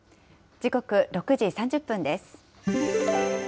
時刻、６時３０分です。